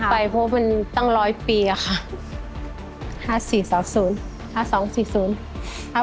๒พันน้อยไปเพราะว่ามันตั้งร้อยปีอะค่ะ